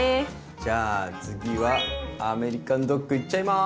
じゃあ次はアメリカンドッグいっちゃいます！